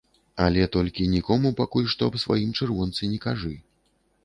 Але толькі нікому пакуль што аб сваім чырвонцы не кажы.